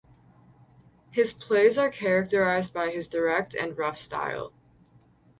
His plays are characterised by his direct and rough style.